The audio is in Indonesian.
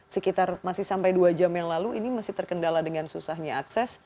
sekitar masih sampai dua jam yang lalu ini masih terkendala dengan susahnya akses